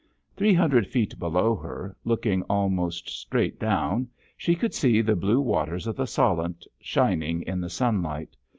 Three hundred feet below her, looking almost straight down, she could see the blue waters of the Solent shining in the sunlight.